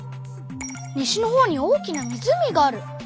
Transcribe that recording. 西のほうに大きな湖がある！